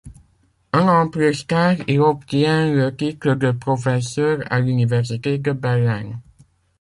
Un an plus tard il obtient le titre de professeur à l'université de Berlin.